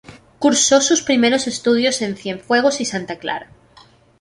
Cursó sus primeros estudios en Cienfuegos y Santa Clara.